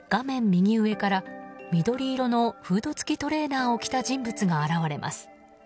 右上から緑色のフード付きトレーナーを着た人物が現れます。